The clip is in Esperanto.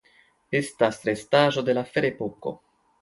Estas restaĵoj de la Ferepoko.